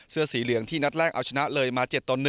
เสื้อสีเหลืองที่นัดแรกเอาชนะเลยมา๗ต่อ๑